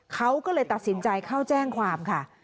เขาก็เลยตัดสินใจเข้าแจ้งความค่ะ